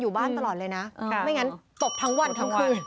อยู่บ้านตลอดเลยนะไม่งั้นตบทั้งวันทั้งคืน